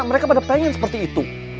mereka pada pengen seperti itu